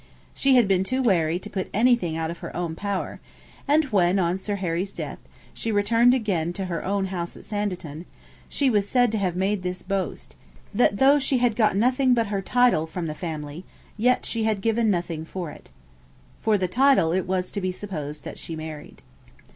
She had been too wary to put anything out of her own power, and when, on Sir Harry's death, she returned again to her own house at Sanditon, she was said to have made this boast, "that though she had got nothing but her title from the family, yet she had given nothing for it." For the title it was to be supposed that she married.